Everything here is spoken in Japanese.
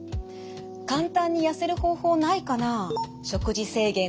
「簡単に痩せる方法ないかな？」。